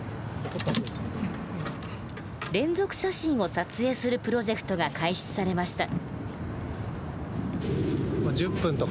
連続写真を撮影するプロジェクトが開始されました。